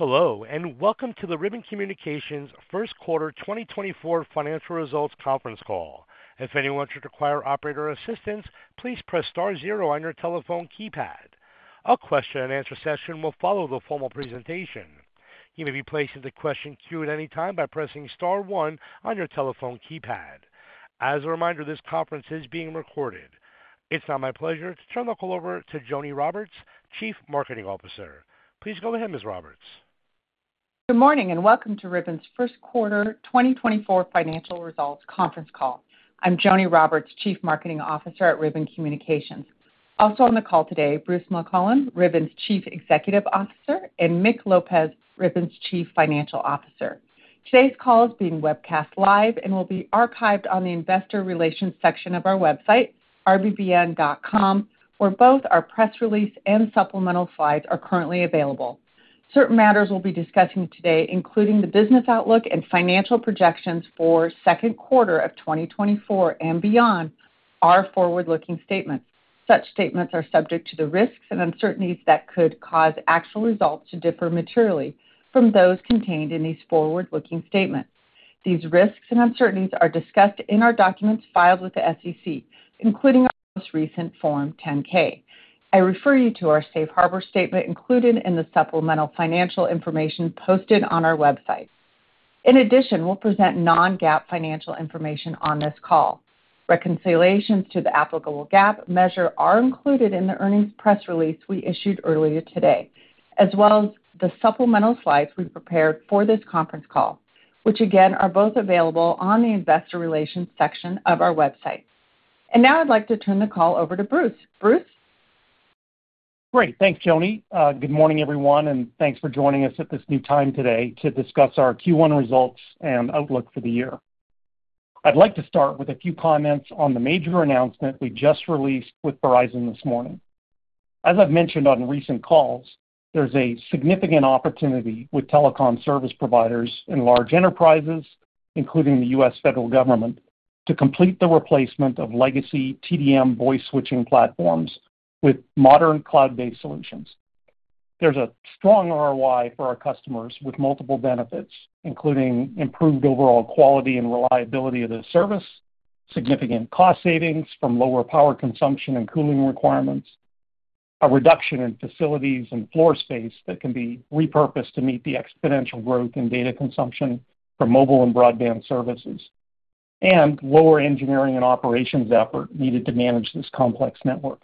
Hello and welcome to the Ribbon Communications First Quarter 2024 Financial Results Conference Call. If anyone should require operator assistance, please press star zero on your telephone keypad. A question and answer session will follow the formal presentation. You may be placed into question queue at any time by pressing star one on your telephone keypad. As a reminder, this conference is being recorded. It's now my pleasure to turn the call over to Joni Roberts, Chief Marketing Officer. Please go ahead, Ms. Roberts. Good morning and welcome to Ribbon's First Quarter 2024 Financial Results Conference Call. I'm Joni Roberts, Chief Marketing Officer at Ribbon Communications. Also on the call today, Bruce McClelland, Ribbon's Chief Executive Officer, and Mick Lopez, Ribbon's Chief Financial Officer. Today's call is being webcast live and will be archived on the Investor Relations section of our website, rbbn.com, where both our press release and supplemental slides are currently available. Certain matters we'll be discussing today, including the business outlook and financial projections for second quarter of 2024 and beyond, are forward-looking statements. Such statements are subject to the risks and uncertainties that could cause actual results to differ materially from those contained in these forward-looking statements. These risks and uncertainties are discussed in our documents filed with the SEC, including our most recent Form 10-K. I refer you to our Safe Harbor Statement included in the supplemental financial information posted on our website. In addition, we'll present non-GAAP financial information on this call. Reconciliations to the applicable GAAP measure are included in the earnings press release we issued earlier today, as well as the supplemental slides we prepared for this conference call, which again are both available on the Investor Relations section of our website. Now I'd like to turn the call over to Bruce. Bruce? Great. Thanks, Joni. Good morning, everyone, and thanks for joining us at this new time today to discuss our Q1 results and outlook for the year. I'd like to start with a few comments on the major announcement we just released with Verizon this morning. As I've mentioned on recent calls, there's a significant opportunity with telecom service providers and large enterprises, including the U.S. federal government, to complete the replacement of legacy TDM voice switching platforms with modern cloud-based solutions. There's a strong ROI for our customers with multiple benefits, including improved overall quality and reliability of the service, significant cost savings from lower power consumption and cooling requirements, a reduction in facilities and floor space that can be repurposed to meet the exponential growth in data consumption for mobile and broadband services, and lower engineering and operations effort needed to manage this complex network,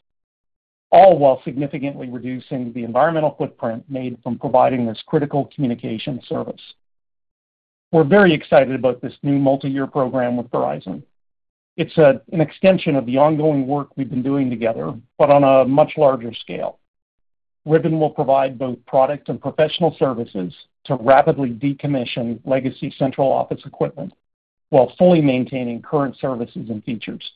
all while significantly reducing the environmental footprint made from providing this critical communication service. We're very excited about this new multi-year program with Verizon. It's an extension of the ongoing work we've been doing together, but on a much larger scale. Ribbon will provide both product and professional services to rapidly decommission legacy central office equipment while fully maintaining current services and features.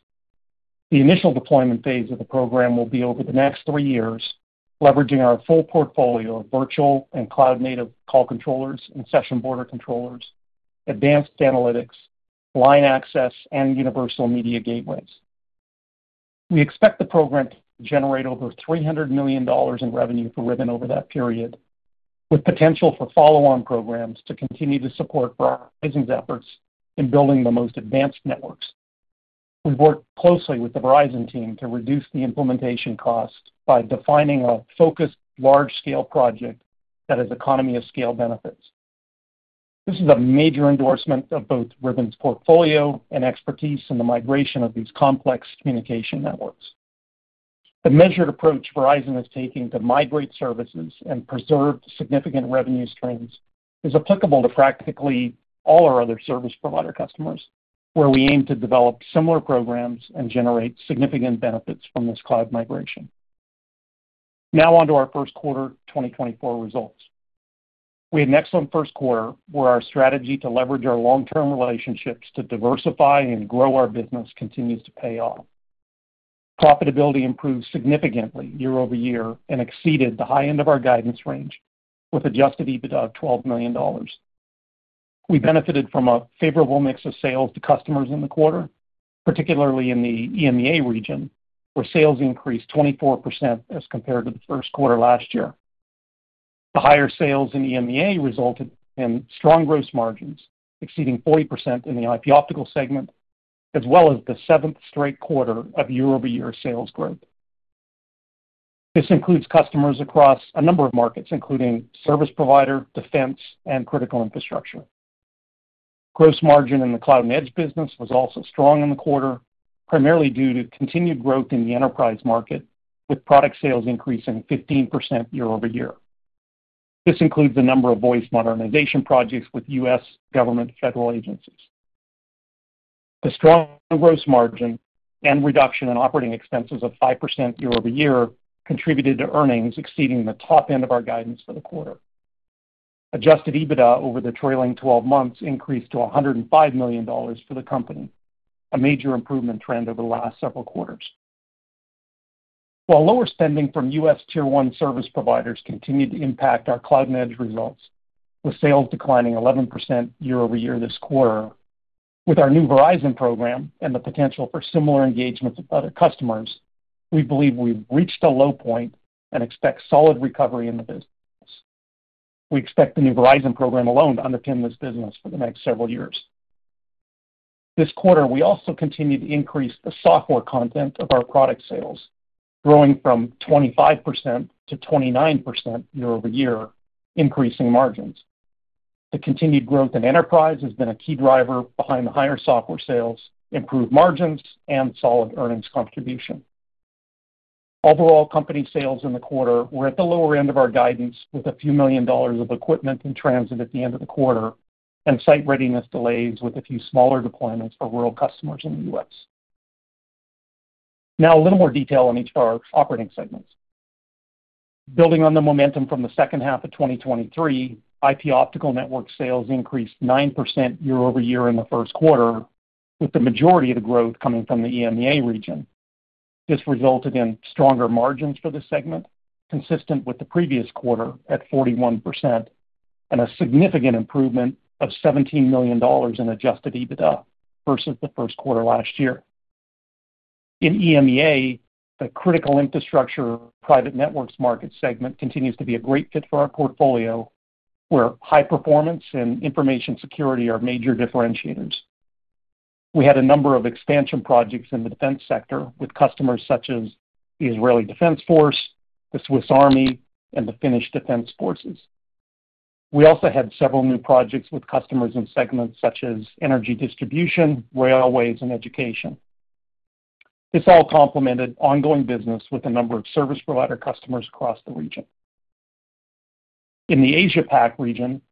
The initial deployment phase of the program will be over the next three years, leveraging our full portfolio of virtual and cloud-native call controllers and session border controllers, advanced analytics, line access, and universal media gateways. We expect the program to generate over $300 million in revenue for Ribbon over that period, with potential for follow-on programs to continue to support Verizon's efforts in building the most advanced networks. We've worked closely with the Verizon team to reduce the implementation cost by defining a focused, large-scale project that has economy of scale benefits. This is a major endorsement of both Ribbon's portfolio and expertise in the migration of these complex communication networks. The measured approach Verizon is taking to migrate services and preserve significant revenue streams is applicable to practically all our other service provider customers, where we aim to develop similar programs and generate significant benefits from this cloud migration. Now on to our first quarter 2024 results. We had an excellent first quarter where our strategy to leverage our long-term relationships to diversify and grow our business continues to pay off. Profitability improved significantly year-over-year and exceeded the high end of our guidance range with Adjusted EBITDA of $12 million. We benefited from a favorable mix of sales to customers in the quarter, particularly in the EMEA region, where sales increased 24% as compared to the first quarter last year. The higher sales in EMEA resulted in strong gross margins exceeding 40% in the IP optical segment, as well as the seventh straight quarter of year-over-year sales growth. This includes customers across a number of markets, including service provider, defense, and critical infrastructure. Gross margin in the cloud and edge business was also strong in the quarter, primarily due to continued growth in the enterprise market, with product sales increasing 15% year-over-year. This includes the number of voice modernization projects with U.S. government federal agencies. The strong gross margin and reduction in operating expenses of 5% year-over-year contributed to earnings exceeding the top end of our guidance for the quarter. Adjusted EBITDA over the trailing 12 months increased to $105 million for the company, a major improvement trend over the last several quarters. While lower spending from U.S. Tier 1 service providers continued to impact our cloud and edge results, with sales declining 11% year-over-year this quarter, with our new Verizon program and the potential for similar engagements with other customers, we believe we've reached a low point and expect solid recovery in the business. We expect the new Verizon program alone to underpin this business for the next several years. This quarter, we also continue to increase the software content of our product sales, growing from 25%-29% year-over-year, increasing margins. The continued growth in enterprise has been a key driver behind the higher software sales, improved margins, and solid earnings contribution. Overall company sales in the quarter were at the lower end of our guidance, with a few million dollar of equipment in transit at the end of the quarter and site readiness delays with a few smaller deployments for rural customers in the U.S. Now a little more detail on each of our operating segments. Building on the momentum from the second half of 2023, IP optical network sales increased 9% year-over-year in the first quarter, with the majority of the growth coming from the EMEA region. This resulted in stronger margins for this segment, consistent with the previous quarter at 41%, and a significant improvement of $17 million in Adjusted EBITDA versus the first quarter last year. In EMEA, the critical infrastructure private networks market segment continues to be a great fit for our portfolio, where high performance and information security are major differentiators. We had a number of expansion projects in the defense sector with customers such as the Israeli Defense Force, the Swiss Army, and the Finnish Defense Forces. We also had several new projects with customers in segments such as energy distribution, railways, and education. This all complemented ongoing business with a number of service provider customers across the region. In the Asia-Pac region,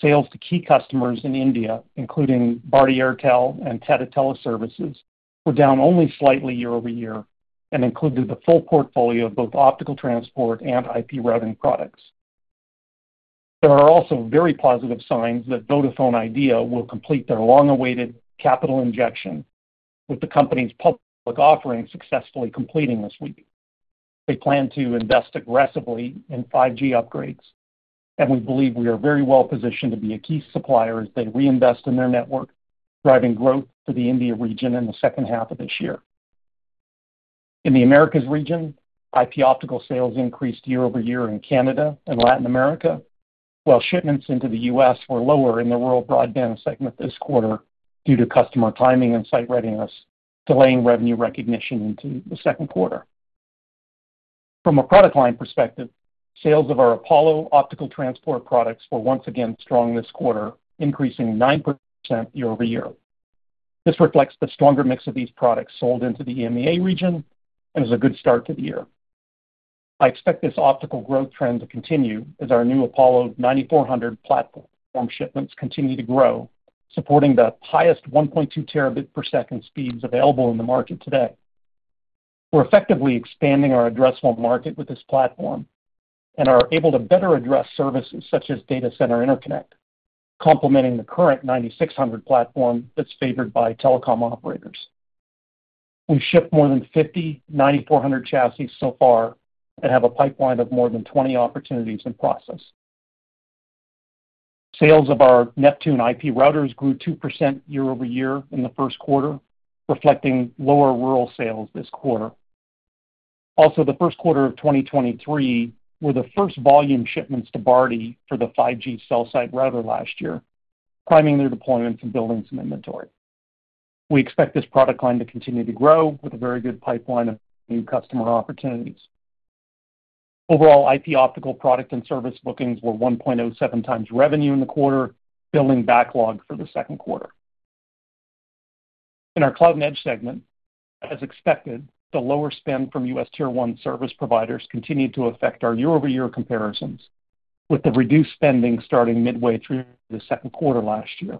sales to key customers in India, including Bharti Airtel and Tata Teleservices, were down only slightly year-over-year and included the full portfolio of both optical transport and IP routing products. There are also very positive signs that Vodafone Idea will complete their long-awaited capital injection, with the company's public offering successfully completing this week. They plan to invest aggressively in 5G upgrades, and we believe we are very well positioned to be a key supplier as they reinvest in their network, driving growth for the India region in the second half of this year. In the Americas region, IP optical sales increased year-over-year in Canada and Latin America, while shipments into the U.S. were lower in the rural broadband segment this quarter due to customer timing and site readiness delaying revenue recognition into the second quarter. From a product line perspective, sales of our Apollo optical transport products were once again strong this quarter, increasing 9% year-over-year. This reflects the stronger mix of these products sold into the EMEA region and is a good start to the year. I expect this optical growth trend to continue as our new Apollo 9400 platform shipments continue to grow, supporting the highest 1.2 Tbps speeds available in the market today. We're effectively expanding our addressable market with this platform and are able to better address services such as data center interconnect, complementing the current 9600 platform that's favored by telecom operators. We shipped more than 50 9400 chassis so far and have a pipeline of more than 20 opportunities in process. Sales of our Neptune IP routers grew 2% year-over-year in the first quarter, reflecting lower rural sales this quarter. Also, the first quarter of 2023 were the first volume shipments to Bharti for the 5G cell site router last year, priming their deployments and building some inventory. We expect this product line to continue to grow with a very good pipeline of new customer opportunities. Overall, IP optical product and service bookings were 1.07x revenue in the quarter, building backlog for the second quarter. In our cloud and edge segment, as expected, the lower spend from U.S. Tier 1 service providers continued to affect our year-over-year comparisons, with the reduced spending starting midway through the second quarter last year.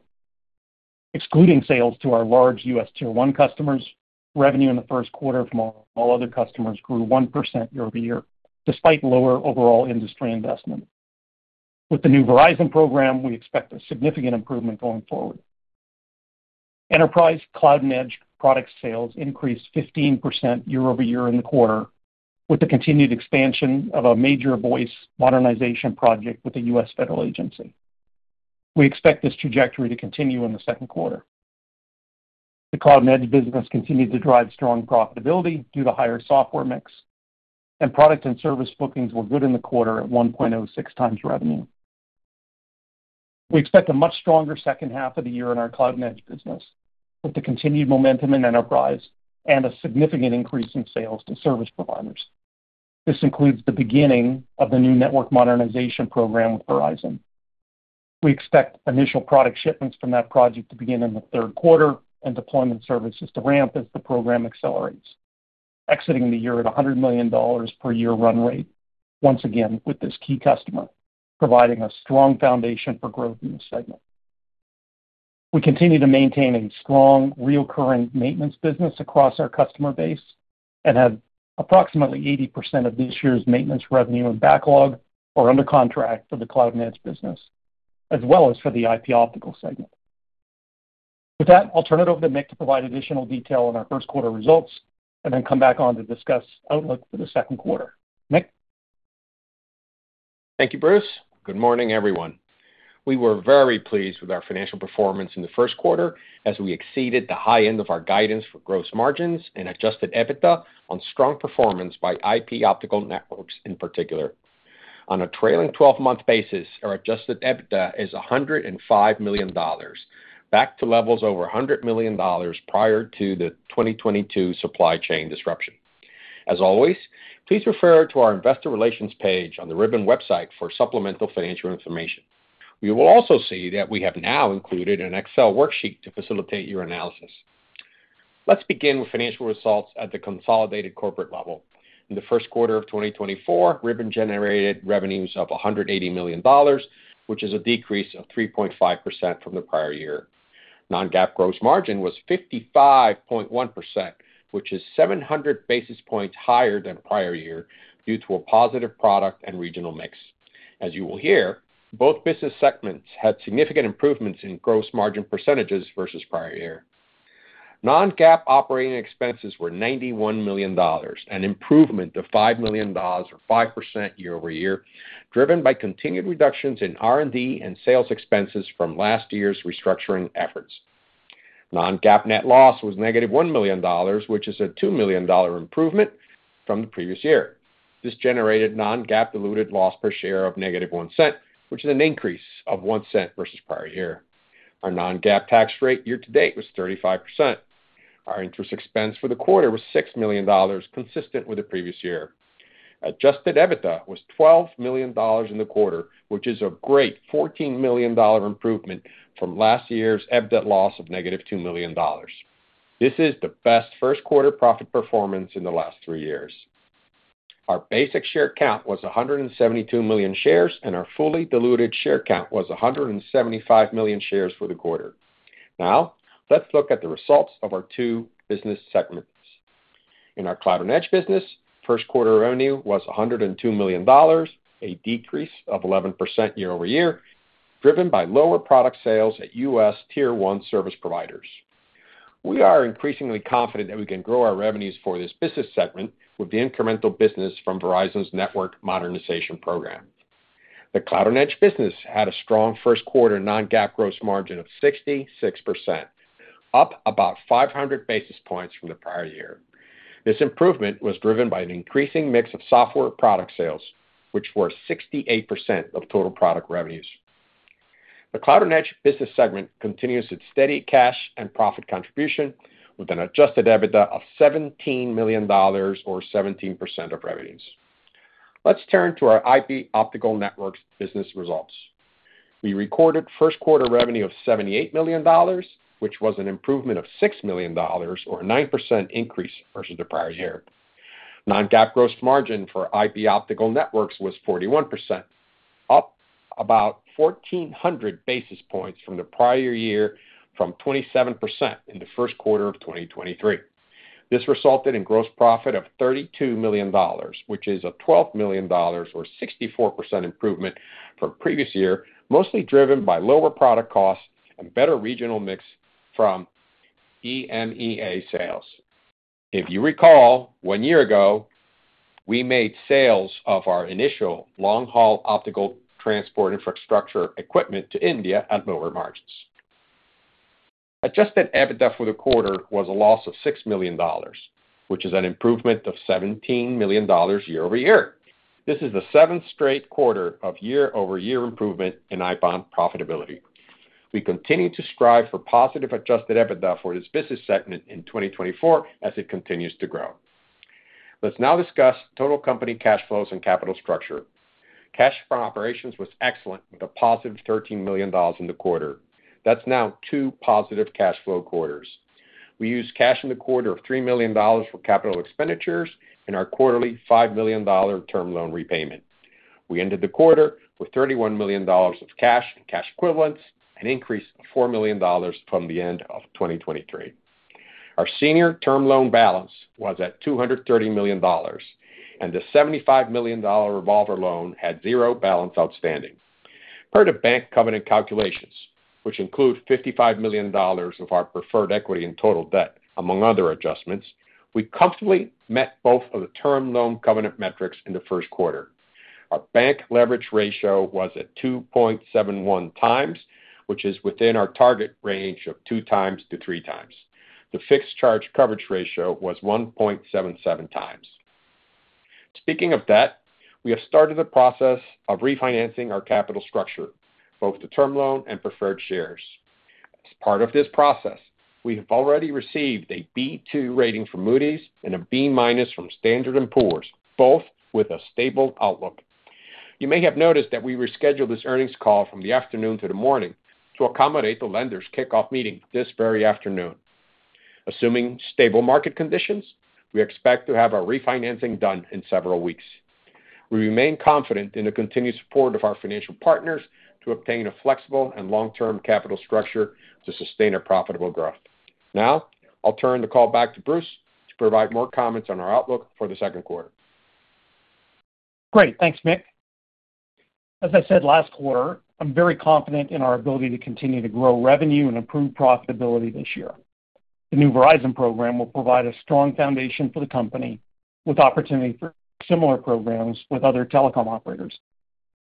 Excluding sales to our large U.S. Tier 1 customers, revenue in the first quarter from all other customers grew 1% year-over-year, despite lower overall industry investment. With the new Verizon program, we expect a significant improvement going forward. Enterprise cloud and edge product sales increased 15% year-over-year in the quarter, with the continued expansion of a major voice modernization project with the U.S. federal agency. We expect this trajectory to continue in the second quarter. The cloud and edge business continued to drive strong profitability due to higher software mix, and product and service bookings were good in the quarter at 1.06x revenue. We expect a much stronger second half of the year in our cloud and edge business, with the continued momentum in enterprise and a significant increase in sales to service providers. This includes the beginning of the new network modernization program with Verizon. We expect initial product shipments from that project to begin in the third quarter and deployment services to ramp as the program accelerates, exiting the year at $100 million per year run rate, once again with this key customer, providing a strong foundation for growth in this segment. We continue to maintain a strong recurring maintenance business across our customer base and have approximately 80% of this year's maintenance revenue in backlog or under contract for the cloud and edge business, as well as for the IP optical segment. With that, I'll turn it over to Mick to provide additional detail on our first quarter results and then come back on to discuss outlook for the second quarter. Mick? Thank you, Bruce. Good morning, everyone. We were very pleased with our financial performance in the first quarter as we exceeded the high end of our guidance for gross margins and Adjusted EBITDA on strong performance by IP Optical Networks in particular. On a trailing 12-month basis, our Adjusted EBITDA is $105 million, back to levels over $100 million prior to the 2022 supply chain disruption. As always, please refer to our investor relations page on the Ribbon website for supplemental financial information. You will also see that we have now included an Excel worksheet to facilitate your analysis. Let's begin with financial results at the consolidated corporate level. In the first quarter of 2024, Ribbon generated revenues of $180 million, which is a decrease of 3.5% from the prior year. Non-GAAP gross margin was 55.1%, which is 700 basis points higher than prior year due to a positive product and regional mix. As you will hear, both business segments had significant improvements in gross margin percentages versus prior year. Non-GAAP operating expenses were $91 million, an improvement of $5 million or 5% year over year, driven by continued reductions in R&D and sales expenses from last year's restructuring efforts. Non-GAAP net loss was -$1 million, which is a $2 million improvement from the previous year. This generated non-GAAP diluted loss per share of -$0.01, which is an increase of $0.01 versus prior year. Our non-GAAP tax rate year to date was 35%. Our interest expense for the quarter was $6 million, consistent with the previous year. Adjusted EBITDA was $12 million in the quarter, which is a great $14 million improvement from last year's EBITDA loss of -$2 million. This is the best first quarter profit performance in the last three years. Our basic share count was 172 million shares, and our fully diluted share count was 175 million shares for the quarter. Now, let's look at the results of our two business segments. In our cloud and edge business, first quarter revenue was $102 million, a decrease of 11% year-over-year, driven by lower product sales at U.S. Tier 1 service providers. We are increasingly confident that we can grow our revenues for this business segment with the incremental business from Verizon's network modernization program. The cloud and edge business had a strong first quarter non-GAAP gross margin of 66%, up about 500 basis points from the prior year. This improvement was driven by an increasing mix of software product sales, which were 68% of total product revenues. The cloud and edge business segment continues its steady cash and profit contribution with an Adjusted EBITDA of $17 million or 17% of revenues. Let's turn to our IP optical networks business results. We recorded first quarter revenue of $78 million, which was an improvement of $6 million or a 9% increase versus the prior year. Non-GAAP gross margin for IP optical networks was 41%, up about 1,400 basis points from the prior year from 27% in the first quarter of 2023. This resulted in gross profit of $32 million, which is a $12 million or 64% improvement from previous year, mostly driven by lower product costs and better regional mix from EMEA sales. If you recall, one year ago, we made sales of our initial long-haul optical transport infrastructure equipment to India at lower margins. Adjusted EBITDA for the quarter was a loss of $6 million, which is an improvement of $17 million year-over-year. This is the seventh straight quarter of year-over-year improvement in IBOM profitability. We continue to strive for positive adjusted EBITDA for this business segment in 2024 as it continues to grow. Let's now discuss total company cash flows and capital structure. Cash from operations was excellent with a +$13 million in the quarter. That's now two positive cash flow quarters. We used cash in the quarter of $3 million for capital expenditures and our quarterly $5 million term loan repayment. We ended the quarter with $31 million of cash and cash equivalents, an increase of $4 million from the end of 2023. Our senior term loan balance was at $230 million, and the $75 million revolver loan had 0 balance outstanding. Per the bank covenant calculations, which include $55 million of our preferred equity and total debt, among other adjustments, we comfortably met both of the term loan covenant metrics in the first quarter. Our bank leverage ratio was at 2.71x, which is within our target range of 2x-3x. The fixed charge coverage ratio was 1.77x. Speaking of that, we have started the process of refinancing our capital structure, both the term loan and preferred shares. As part of this process, we have already received a B2 rating from Moody's and a B- from Standard & Poor's, both with a stable outlook. You may have noticed that we rescheduled this earnings call from the afternoon to the morning to accommodate the lender's kickoff meeting this very afternoon. Assuming stable market conditions, we expect to have our refinancing done in several weeks. We remain confident in the continued support of our financial partners to obtain a flexible and long-term capital structure to sustain our profitable growth. Now, I'll turn the call back to Bruce to provide more comments on our outlook for the second quarter. Great. Thanks, Mick. As I said last quarter, I'm very confident in our ability to continue to grow revenue and improve profitability this year. The new Verizon program will provide a strong foundation for the company with opportunity for similar programs with other telecom operators.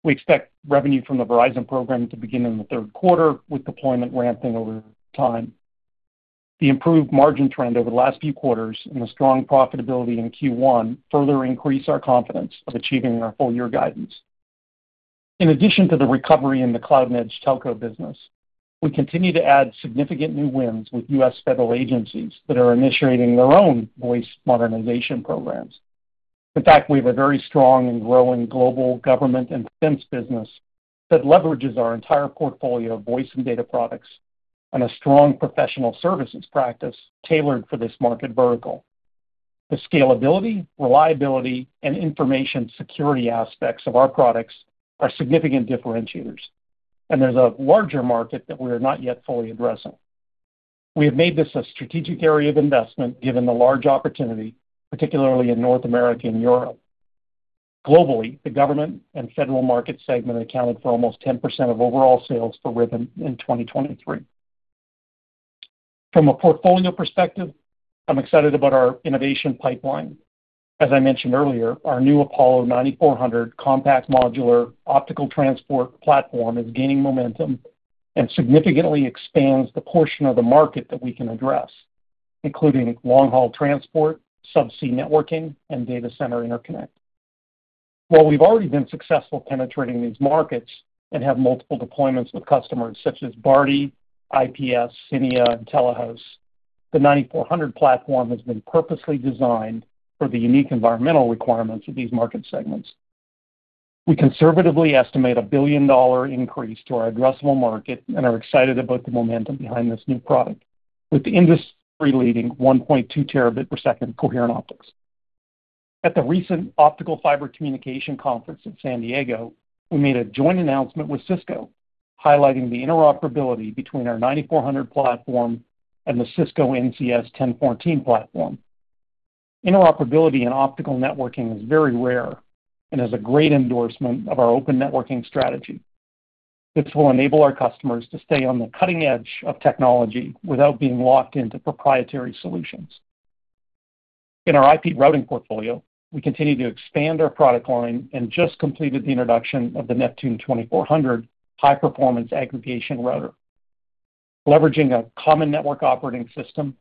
We expect revenue from the Verizon program to begin in the third quarter, with deployment ramping over time. The improved margin trend over the last few quarters and the strong profitability in Q1 further increase our confidence of achieving our full-year guidance. In addition to the recovery in the cloud and edge telco business, we continue to add significant new wins with U.S. federal agencies that are initiating their own voice modernization programs. In fact, we have a very strong and growing global government and defense business that leverages our entire portfolio of voice and data products and a strong professional services practice tailored for this market vertical. The scalability, reliability, and information security aspects of our products are significant differentiators, and there's a larger market that we are not yet fully addressing. We have made this a strategic area of investment given the large opportunity, particularly in North America and Europe. Globally, the government and federal market segment accounted for almost 10% of overall sales for Ribbon in 2023. From a portfolio perspective, I'm excited about our innovation pipeline. As I mentioned earlier, our new Apollo 9400 compact modular optical transport platform is gaining momentum and significantly expands the portion of the market that we can address, including long-haul transport, subsea networking, and data center interconnect. While we've already been successful penetrating these markets and have multiple deployments with customers such as Bharti, IPS, Cinia, and Telehouse, the 9400 platform has been purposely designed for the unique environmental requirements of these market segments. We conservatively estimate a $1 billion increase to our addressable market and are excited about the momentum behind this new product, with the industry leading 1.2 Tbps coherent optics. At the recent Optical Fiber Communication Conference in San Diego, we made a joint announcement with Cisco, highlighting the interoperability between our 9400 platform and the Cisco NCS 1014 platform. Interoperability in optical networking is very rare and is a great endorsement of our open networking strategy. This will enable our customers to stay on the cutting edge of technology without being locked into proprietary solutions. In our IP routing portfolio, we continue to expand our product line and just completed the introduction of the Neptune 2400 high-performance aggregation router. Leveraging a common network operating system,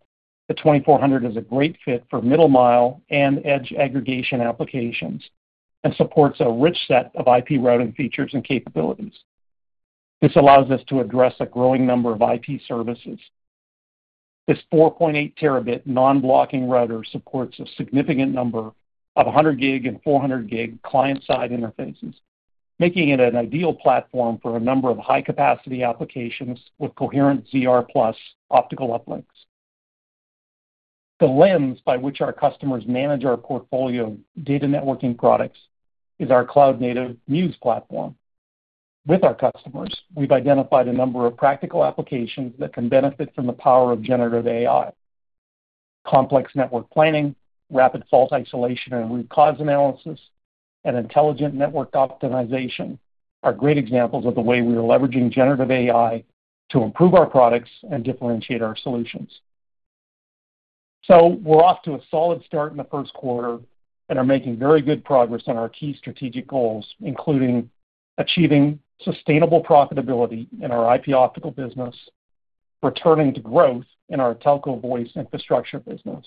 the 2400 is a great fit for middle-mile and edge aggregation applications and supports a rich set of IP routing features and capabilities. This allows us to address a growing number of IP services. This 4.8 Tb non-blocking router supports a significant number of 100 gig and 400 gig client-side interfaces, making it an ideal platform for a number of high-capacity applications with coherent ZR+ optical uplinks. The lens by which our customers manage our portfolio of data networking products is our cloud-native Muse platform. With our customers, we've identified a number of practical applications that can benefit from the power of generative AI. Complex network planning, rapid fault isolation and root cause analysis, and intelligent network optimization are great examples of the way we are leveraging generative AI to improve our products and differentiate our solutions. So we're off to a solid start in the first quarter and are making very good progress on our key strategic goals, including achieving sustainable profitability in our IP optical business, returning to growth in our telco voice infrastructure business,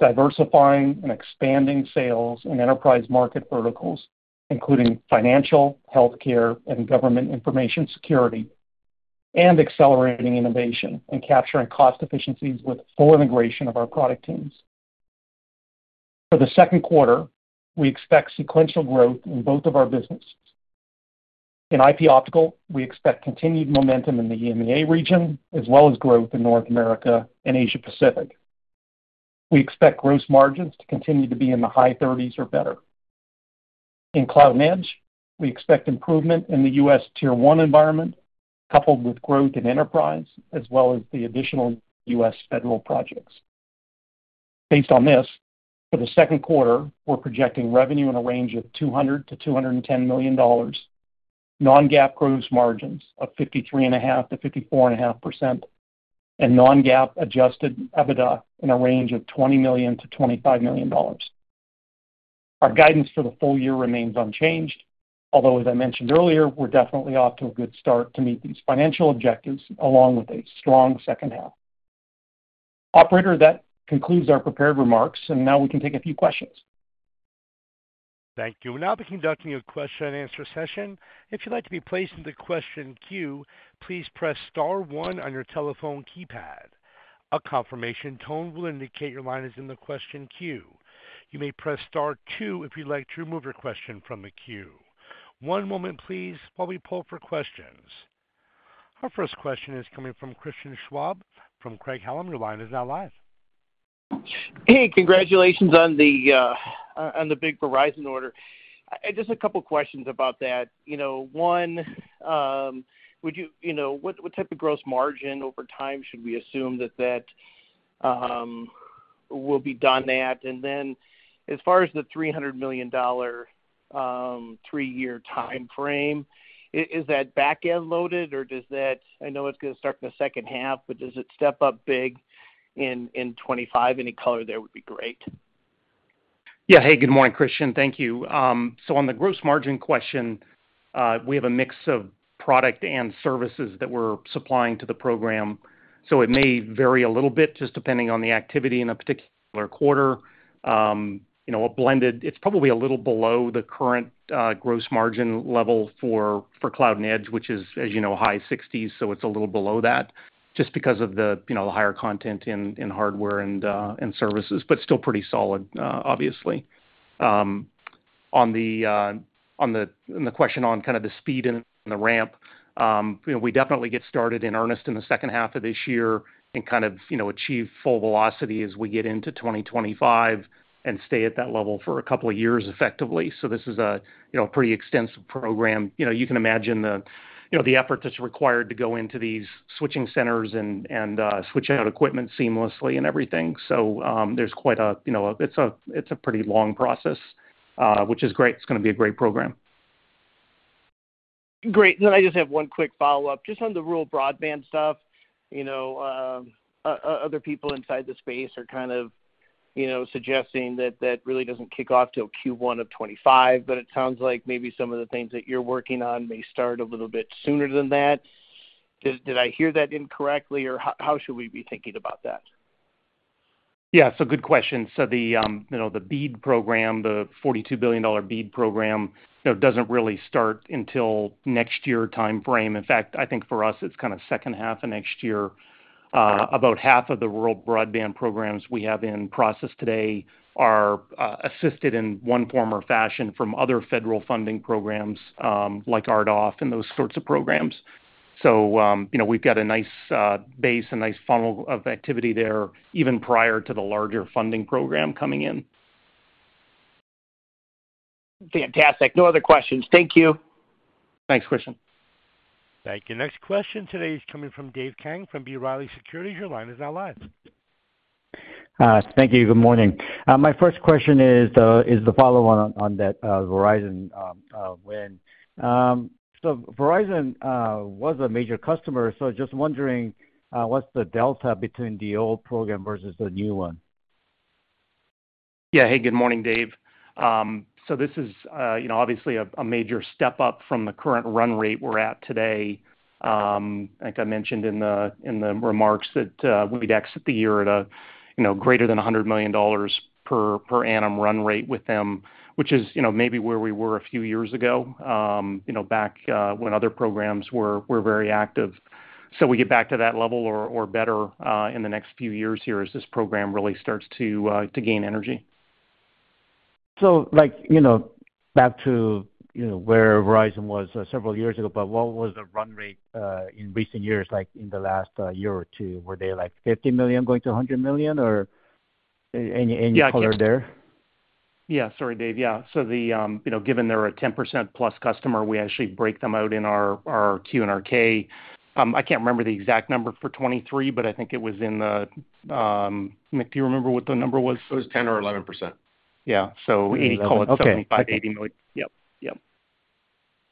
diversifying and expanding sales and enterprise market verticals, including financial, healthcare, and government information security, and accelerating innovation and capturing cost efficiencies with full integration of our product teams. For the second quarter, we expect sequential growth in both of our businesses. In IP optical, we expect continued momentum in the EMEA region as well as growth in North America and Asia Pacific. We expect gross margins to continue to be in the high 30s or better. In cloud and edge, we expect improvement in the U.S. Tier 1 environment coupled with growth in enterprise as well as the additional U.S. federal projects. Based on this, for the second quarter, we're projecting revenue in a range of $200 million-$210 million, non-GAAP gross margins of 53.5%-54.5%, and non-GAAP adjusted EBITDA in a range of $20 million-$25 million. Our guidance for the full year remains unchanged, although, as I mentioned earlier, we're definitely off to a good start to meet these financial objectives along with a strong second half. Operator, that concludes our prepared remarks, and now we can take a few questions. Thank you. We're now conducting a question and answer session. If you'd like to be placed in the question queue, please press star one on your telephone keypad. A confirmation tone will indicate your line is in the question queue. You may press star two if you'd like to remove your question from the queue. One moment, please, while we pull for questions. Our first question is coming from Christian Schwab from Craig-Hallum. Your line is now live. Hey, congratulations on the big Verizon order. Just a couple of questions about that. One, would you what type of gross margin over time should we assume that that will be done at? And then as far as the $300 million three-year time frame, is that backend loaded or does that I know it's going to start in the second half, but does it step up big in 2025? Any color there would be great. Yeah. Hey, good morning, Christian. Thank you. So on the gross margin question, we have a mix of product and services that we're supplying to the program. So it may vary a little bit just depending on the activity in a particular quarter. A blended it's probably a little below the current gross margin level for Cloud and Edge, which is, as you know, high 60s%. So it's a little below that just because of the higher content in hardware and services, but still pretty solid, obviously. On the question on kind of the speed and the ramp, we definitely get started in earnest in the second half of this year and kind of achieve full velocity as we get into 2025 and stay at that level for a couple of years effectively. So this is a pretty extensive program. You can imagine the effort that's required to go into these switching centers and switch out equipment seamlessly and everything. So there's quite a it's a pretty long process, which is great. It's going to be a great program. Great. Then I just have one quick follow-up. Just on the real broadband stuff, other people inside the space are kind of suggesting that that really doesn't kick off till Q1 of 2025, but it sounds like maybe some of the things that you're working on may start a little bit sooner than that. Did I hear that incorrectly, or how should we be thinking about that? Yeah. So good question. So the BEAD program, the $42 billion BEAD program, doesn't really start until next year time frame. In fact, I think for us, it's kind of second half of next year. About half of the world broadband programs we have in process today are assisted in one form or fashion from other federal funding programs like RDOF and those sorts of programs. So we've got a nice base, a nice funnel of activity there even prior to the larger funding program coming in. Fantastic. No other questions. Thank you. Thanks, Christian. Thank you. Next question today is coming from Dave Kang from B. Riley Securities. Your line is now live. Thank you. Good morning. My first question is the follow-on on that Verizon win. So Verizon was a major customer, so just wondering, what's the delta between the old program versus the new one? Yeah. Hey, good morning, Dave. So this is obviously a major step up from the current run rate we're at today. Like I mentioned in the remarks, that we'd exit the year at a greater than $100 million per annum run rate with them, which is maybe where we were a few years ago back when other programs were very active. So we get back to that level or better in the next few years here as this program really starts to gain energy. Back to where Verizon was several years ago, but what was the run rate in recent years, like in the last year or two? Were they like $50 million going to $100 million, or any color there? Yeah. Sorry, Dave. Yeah. So given they're a 10%+ customer, we actually break them out in our 10-K. I can't remember the exact number for 2023, but I think it was, Mick, do you remember what the number was? It was 10% or 11%. Yeah. So you call it $75 million-$80 million. Yep. Yep.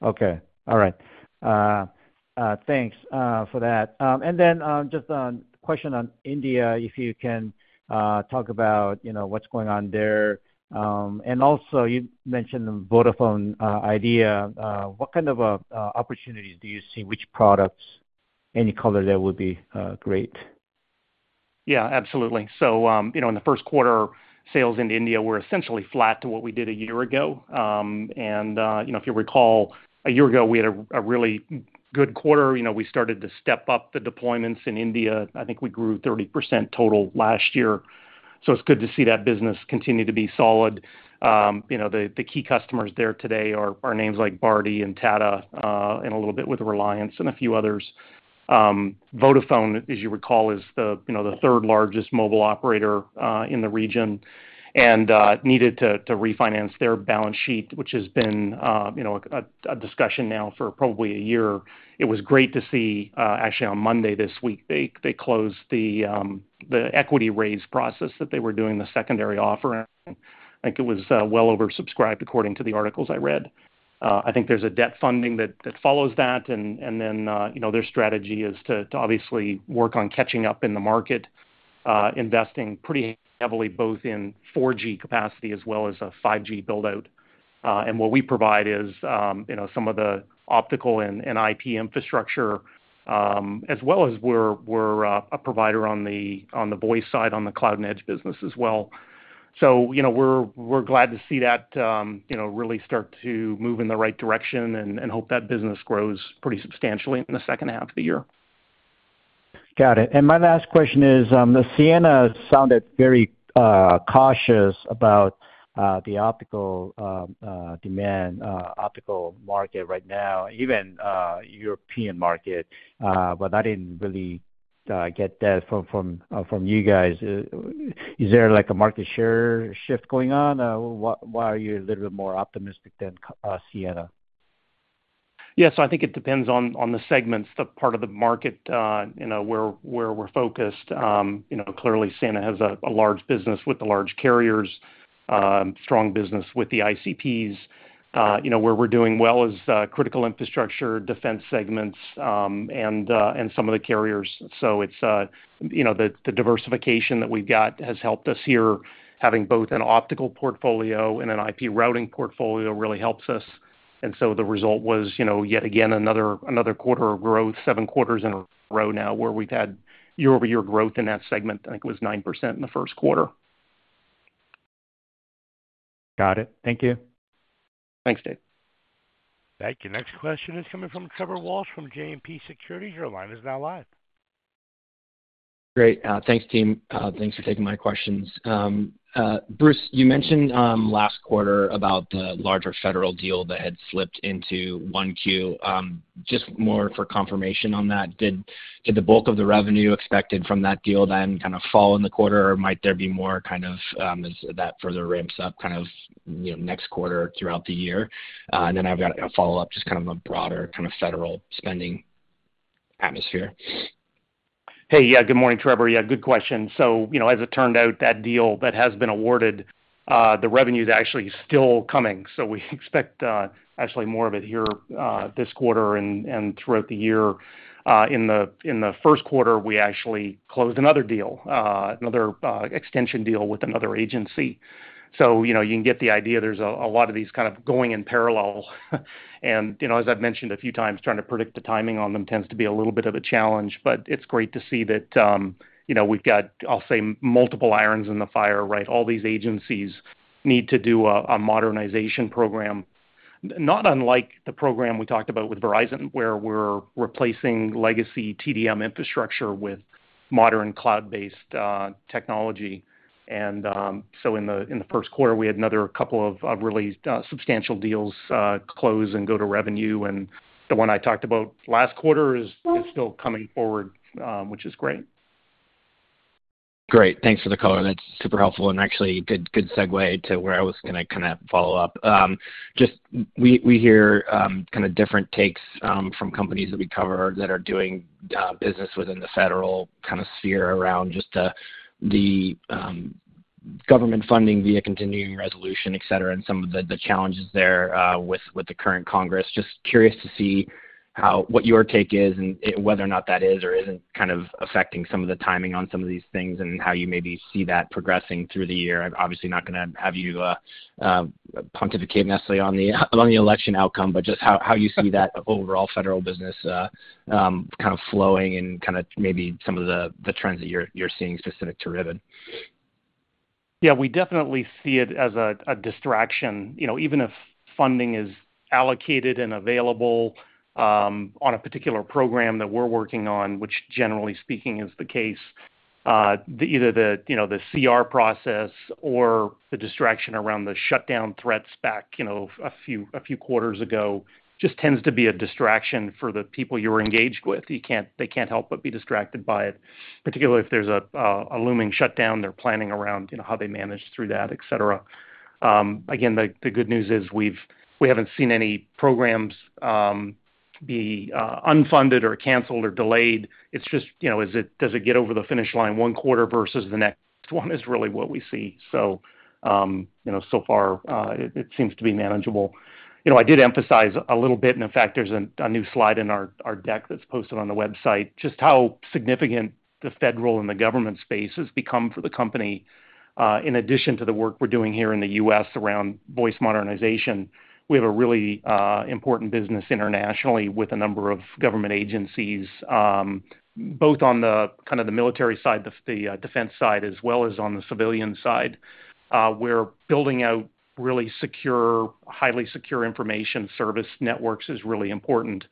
Okay. All right. Thanks for that. And then just a question on India, if you can talk about what's going on there. And also, you mentioned Vodafone Idea. What kind of opportunities do you see, which products, any color there would be great? Yeah, absolutely. So in the first quarter, sales in India were essentially flat to what we did a year ago. If you recall, a year ago, we had a really good quarter. We started to step up the deployments in India. I think we grew 30% total last year. It's good to see that business continue to be solid. The key customers there today are names like Bharti and Tata and a little bit with Reliance and a few others. Vodafone, as you recall, is the third largest mobile operator in the region and needed to refinance their balance sheet, which has been a discussion now for probably a year. It was great to see actually on Monday this week, they closed the equity raise process that they were doing, the secondary offer. I think it was well oversubscribed according to the articles I read. I think there's a debt funding that follows that. Then their strategy is to obviously work on catching up in the market, investing pretty heavily both in 4G capacity as well as a 5G buildout. What we provide is some of the optical and IP infrastructure, as well as we're a provider on the voice side on the cloud and edge business as well. We're glad to see that really start to move in the right direction and hope that business grows pretty substantially in the second half of the year. Got it. My last question is, Ciena sounded very cautious about the optical demand, optical market right now, even European market, but I didn't really get that from you guys. Is there a market share shift going on? Why are you a little bit more optimistic than Ciena? Yeah. So I think it depends on the segments, the part of the market where we're focused. Clearly, Ciena has a large business with the large carriers, strong business with the ICPs. Where we're doing well is critical infrastructure, defense segments, and some of the carriers. So it's the diversification that we've got has helped us here. Having both an optical portfolio and an IP routing portfolio really helps us. And so the result was, yet again, another quarter of growth, seven quarters in a row now where we've had year-over-year growth in that segment. I think it was 9% in the first quarter. Got it. Thank you. Thanks, Dave. Thank you. Next question is coming from Trevor Walsh from JMP Securities. Your line is now live. Great. Thanks, team. Thanks for taking my questions. Bruce, you mentioned last quarter about the larger federal deal that had slipped into Q1. Just more for confirmation on that, did the bulk of the revenue expected from that deal then kind of fall in the quarter, or might there be more kind of as that further ramps up kind of next quarter throughout the year? And then I've got a follow-up just kind of a broader kind of federal spending atmosphere. Hey, yeah. Good morning, Trevor. Yeah, good question. As it turned out, that deal that has been awarded, the revenue is actually still coming. We expect actually more of it here this quarter and throughout the year. In the first quarter, we actually closed another deal, another extension deal with another agency. You can get the idea. There's a lot of these kind of going in parallel. As I've mentioned a few times, trying to predict the timing on them tends to be a little bit of a challenge. It's great to see that we've got, I'll say, multiple irons in the fire, right? All these agencies need to do a modernization program, not unlike the program we talked about with Verizon where we're replacing legacy TDM infrastructure with modern cloud-based technology. In the first quarter, we had another couple of really substantial deals close and go to revenue. The one I talked about last quarter is still coming forward, which is great. Great. Thanks for the color. That's super helpful and actually a good segue to where I was going to kind of follow up. Just we hear kind of different takes from companies that we cover that are doing business within the federal kind of sphere around just the government funding via continuing resolution, etc., and some of the challenges there with the current Congress. Just curious to see what your take is and whether or not that is or isn't kind of affecting some of the timing on some of these things and how you maybe see that progressing through the year. I'm obviously not going to have you pontificate necessarily on the election outcome, but just how you see that overall federal business kind of flowing and kind of maybe some of the trends that you're seeing specific to Ribbon. Yeah, we definitely see it as a distraction. Even if funding is allocated and available on a particular program that we're working on, which generally speaking is the case, either the CR process or the distraction around the shutdown threats back a few quarters ago just tends to be a distraction for the people you're engaged with. They can't help but be distracted by it, particularly if there's a looming shutdown they're planning around how they manage through that, etc. Again, the good news is we haven't seen any programs be unfunded or canceled or delayed. It's just, does it get over the finish line one quarter versus the next one is really what we see. So far, it seems to be manageable. I did emphasize a little bit, and in fact, there's a new slide in our deck that's posted on the website, just how significant the federal and the government space has become for the company. In addition to the work we're doing here in the U.S. around voice modernization, we have a really important business internationally with a number of government agencies, both on kind of the military side, the defense side, as well as on the civilian side. We're building out really secure, highly secure information service networks is really important.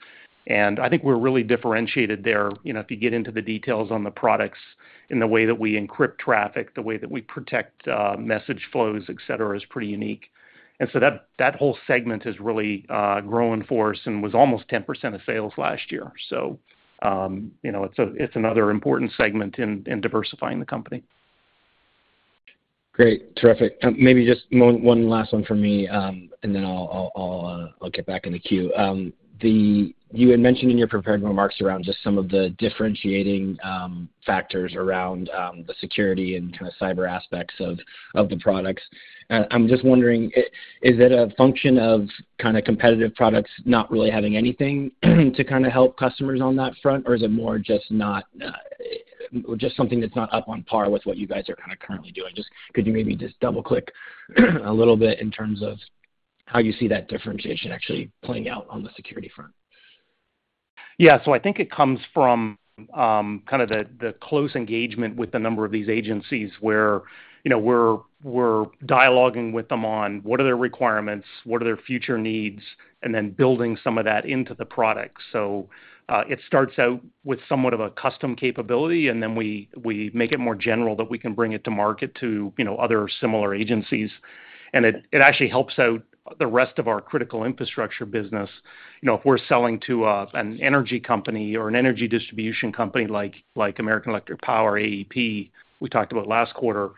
And I think we're really differentiated there. If you get into the details on the products and the way that we encrypt traffic, the way that we protect message flows, etc., is pretty unique. And so that whole segment has really grown in force and was almost 10% of sales last year. It's another important segment in diversifying the company. Great. Terrific. Maybe just one last one for me, and then I'll get back in the queue. You had mentioned in your prepared remarks around just some of the differentiating factors around the security and kind of cyber aspects of the products. I'm just wondering, is it a function of kind of competitive products not really having anything to kind of help customers on that front, or is it more just something that's not up to par with what you guys are kind of currently doing? Just could you maybe just double-click a little bit in terms of how you see that differentiation actually playing out on the security front? Yeah. So I think it comes from kind of the close engagement with a number of these agencies where we're dialoguing with them on what are their requirements, what are their future needs, and then building some of that into the product. So it starts out with somewhat of a custom capability, and then we make it more general that we can bring it to market to other similar agencies. And it actually helps out the rest of our critical infrastructure business. If we're selling to an energy company or an energy distribution company like American Electric Power, AEP, we talked about last quarter,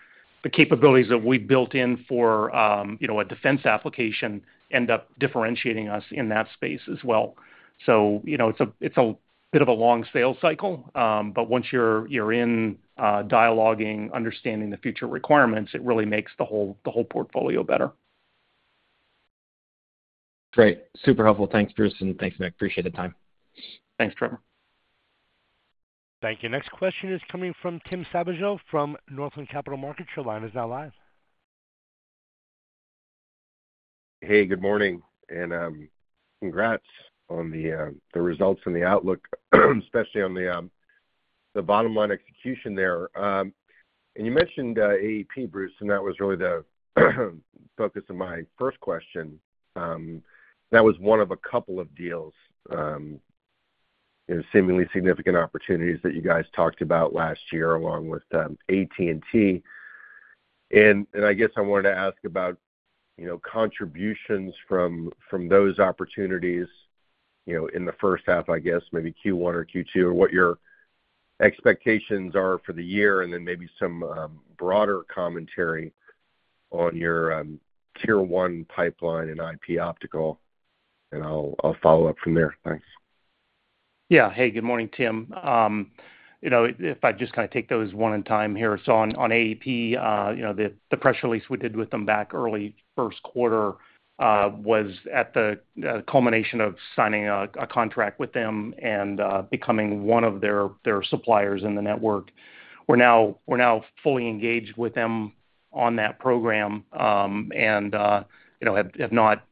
the capabilities that we've built in for a defense application end up differentiating us in that space as well. So it's a bit of a long sales cycle. But once you're in dialoguing, understanding the future requirements, it really makes the whole portfolio better. Great. Super helpful. Thanks, Bruce, and thanks, Mick. Appreciate the time. Thanks, Trevor. Thank you. Next question is coming from Tim Savageaux from Northland Capital Markets. Your line is now live. Hey, good morning. And congrats on the results and the outlook, especially on the bottom line execution there. And you mentioned AEP, Bruce, and that was really the focus of my first question. That was one of a couple of deals, seemingly significant opportunities that you guys talked about last year along with AT&T. And I guess I wanted to ask about contributions from those opportunities in the first half, I guess, maybe Q1 or Q2, or what your expectations are for the year, and then maybe some broader commentary on your Tier 1 pipeline in IP optical. And I'll follow up from there. Thanks. Yeah. Hey, good morning, Tim. If I just kind of take those one at a time here. So on AEP, the press release we did with them back early first quarter was at the culmination of signing a contract with them and becoming one of their suppliers in the network. We're now fully engaged with them on that program and have not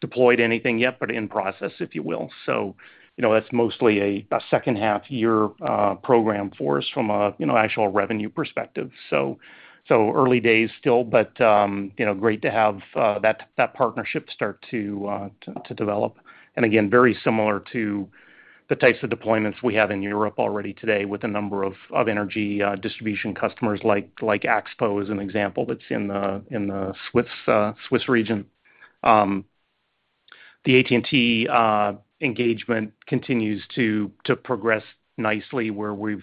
deployed anything yet, but in process, if you will. So that's mostly a second-half year program for us from an actual revenue perspective. So early days still, but great to have that partnership start to develop. And again, very similar to the types of deployments we have in Europe already today with a number of energy distribution customers like Axpo as an example that's in the Swiss region. The AT&T engagement continues to progress nicely where we've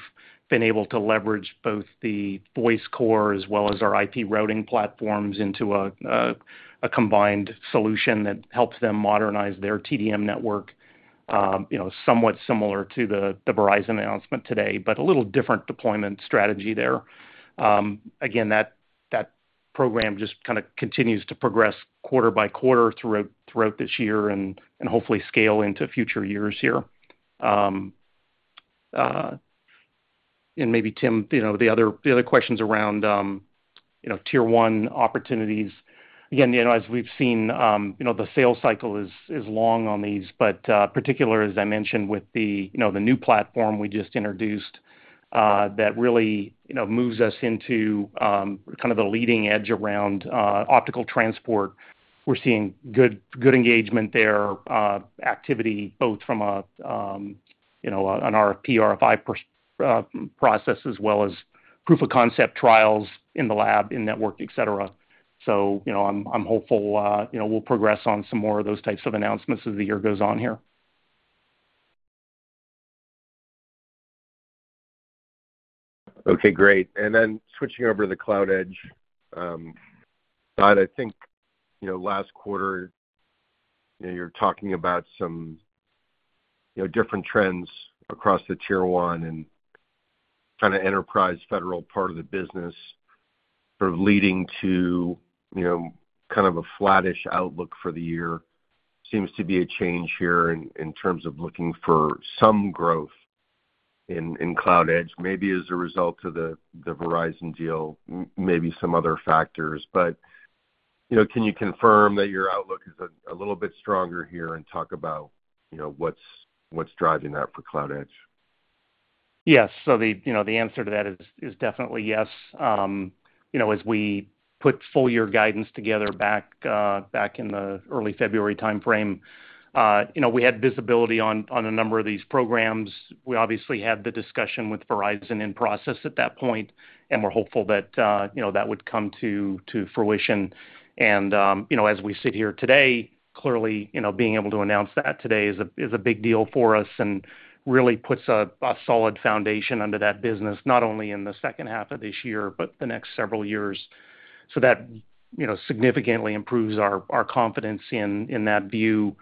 been able to leverage both the voice core as well as our IP routing platforms into a combined solution that helps them modernize their TDM network, somewhat similar to the Verizon announcement today, but a little different deployment strategy there. Again, that program just kind of continues to progress quarter by quarter throughout this year and hopefully scale into future years here. Maybe, Tim, the other questions around Tier 1 opportunities. Again, as we've seen, the sales cycle is long on these, but particularly, as I mentioned, with the new platform we just introduced that really moves us into kind of the leading edge around optical transport. We're seeing good engagement there, activity both from an RFP, RFI process, as well as proof of concept trials in the lab, in network, etc. I'm hopeful we'll progress on some more of those types of announcements as the year goes on here. Okay, great. And then switching over to the cloud edge side, I think last quarter, you were talking about some different trends across the Tier 1 and kind of enterprise federal part of the business sort of leading to kind of a flat-ish outlook for the year. Seems to be a change here in terms of looking for some growth in cloud edge, maybe as a result of the Verizon deal, maybe some other factors. But can you confirm that your outlook is a little bit stronger here and talk about what's driving that for cloud edge? Yes. So the answer to that is definitely yes. As we put full-year guidance together back in the early February timeframe, we had visibility on a number of these programs. We obviously had the discussion with Verizon in process at that point, and we're hopeful that that would come to fruition. And as we sit here today, clearly, being able to announce that today is a big deal for us and really puts a solid foundation under that business, not only in the second half of this year, but the next several years. So that significantly improves our confidence in that view.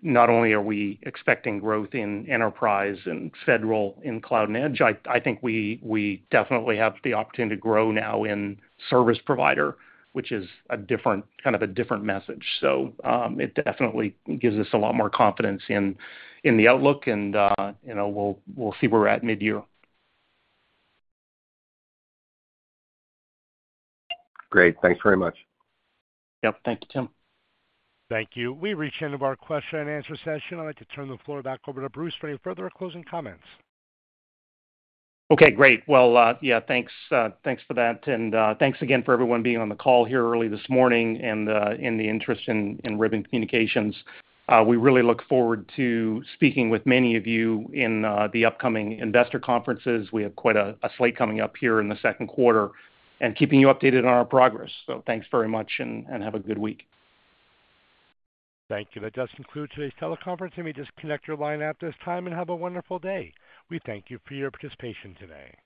Not only are we expecting growth in enterprise and federal in cloud and edge, I think we definitely have the opportunity to grow now in service provider, which is kind of a different message. It definitely gives us a lot more confidence in the outlook, and we'll see where we're at mid-year. Great. Thanks very much. Yep. Thank you, Tim. Thank you. We reached the end of our question and answer session. I'd like to turn the floor back over to Bruce for any further or closing comments. Okay, great. Well, yeah, thanks for that. And thanks again for everyone being on the call here early this morning and in the interest in Ribbon Communications. We really look forward to speaking with many of you in the upcoming investor conferences. We have quite a slate coming up here in the second quarter and keeping you updated on our progress. So thanks very much and have a good week. Thank you. That does conclude today's teleconference. Let me just connect your line at this time and have a wonderful day. We thank you for your participation today.